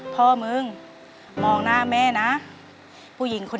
เปลี่ยนเพลงเพลงเก่งของคุณและข้ามผิดได้๑คำ